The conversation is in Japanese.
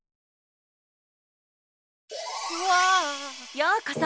ようこそ。